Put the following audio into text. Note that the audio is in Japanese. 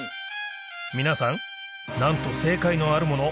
皆さんなんと正解のあるもの